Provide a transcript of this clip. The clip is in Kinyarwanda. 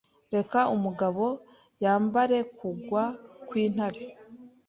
Reka umugabo yambare kugwa kwintare